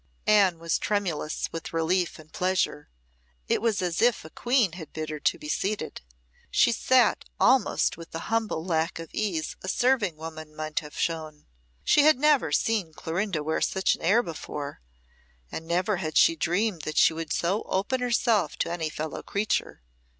Anne was tremulous with relief and pleasure. It was as if a queen had bid her to be seated. She sat almost with the humble lack of ease a serving woman might have shown. She had never seen Clorinda wear such an air before, and never had she dreamed that she would so open herself to any fellow creature.